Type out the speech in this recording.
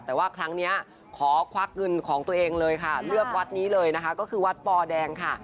แต่ว่าครั้งนี้ขอควักเงินของตัวเองเลยค่ะเลือกวัดนี้เลยนะคะก็คือวัดปอแดงค่ะ